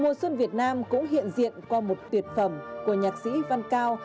mùa xuân việt nam cũng hiện diện qua một tuyệt phẩm của nhạc sĩ văn cao